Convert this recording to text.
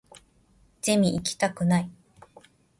ゼミ行きたくない